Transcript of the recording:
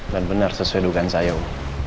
dan benar sesuai dugaan saya om